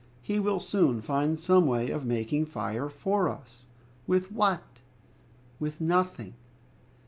He will soon find some way of making fire for us!" "With what?" "With nothing."